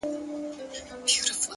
صبر د وخت له ازموینې سره مل وي’